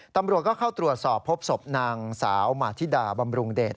ตำรวจก็เข้าตรวจสอบพบศพนางสาวมาธิดาบำรุงเดช